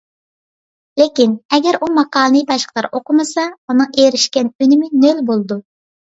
لېكىن، ئەگەر ئۇ ماقالىنى باشقىلار ئوقۇمىسا، ئۇنىڭ ئېرىشكەن ئۈنۈمى نۆل بولىدۇ.